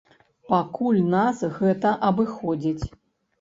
Пакуль нас гэта абыходзіць.